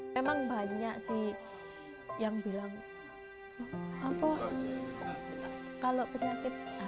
memang banyak sih yang bilang kalau penyakit hiv itu gini gini gini waduh diatus sudah tutup mulut aja